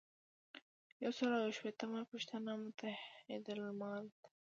یو سل او یو شپیتمه پوښتنه متحدالمال ده.